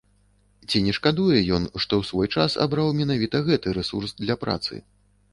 Ці не шкадуе ён, што ў свой час абраў менавіта гэты рэсурс для працы?